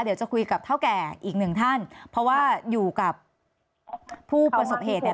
เดี๋ยวจะคุยกับเท่าแก่อีกหนึ่งท่านเพราะว่าอยู่กับผู้ประสบเหตุเนี่ย